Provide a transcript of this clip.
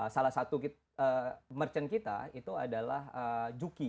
salah satu merchant kita itu adalah juki